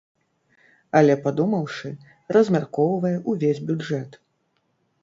Але падумаўшы, размяркоўвае увесь бюджэт!